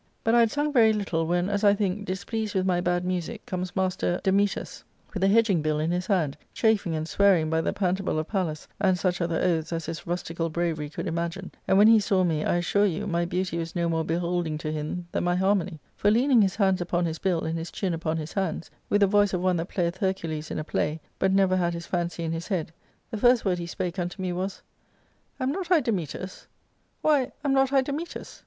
" But I had sung very little, when, as I think, displeased with my bad music, comes master DanMtes, with a hedging bill in his hand, chafing and swearing by the pantable* of Pallas, and such other oaths as his rustical bravery could imagine ; and when he saw me, I assure you, my beauty was no more beholding to him than my harmony ; for, leaning his hands upon his biU and his chin upon his hands, with the voice of one that playeth Hercules in a play, but never had his fancy in his head, the first word he spake unto me was —* Am not I Dametas ? Why, am not I Dametas